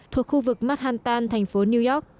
thuộc khu vực manhattan thành phố new york